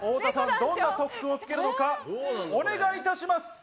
どんな特訓をつけるのかお願いします。